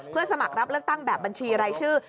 สมัครรับเลือกตั้งแบบบัญชีรายชื่อ